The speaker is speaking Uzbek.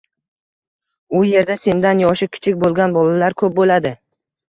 u yerda sendan yoshi kichik bo‘lgan bolalar ko‘p bo‘ladi.